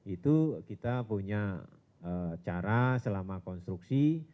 itu kita punya cara selama konstruksi